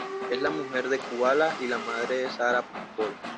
Es la mujer de Kubala y la madre de Sara y Pol.